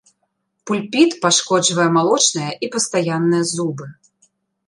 Пульпіт пашкоджвае малочныя і пастаянныя зубы.